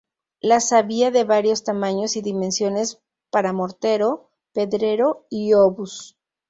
Las había de varios tamaños y dimensiones para mortero, pedrero y obús.